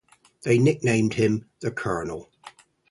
They nicknamed him The Colonel.